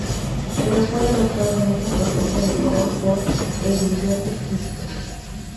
Pero fue derrotado en esta contienda electoral por Edilberto Quispe.